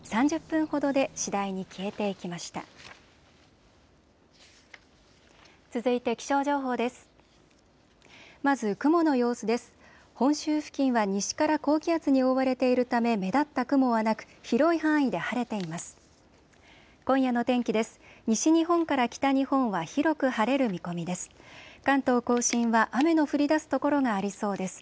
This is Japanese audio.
本州付近は西から高気圧に覆われているため目立った雲はなく、広い範囲で晴れています。